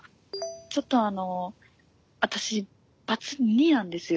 ちょっとあの私バツ２なんですよ。